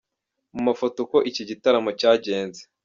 Mu mafoto uko iki gitaramo cyagenze.